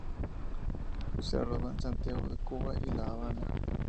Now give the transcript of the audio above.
Se rodó en Santiago de Cuba y La Habana.